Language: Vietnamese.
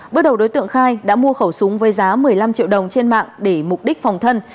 bước đầu đối tượng khai đã mua khẩu súng với giá một mươi năm triệu đồng trên mạng để mục đích phòng thân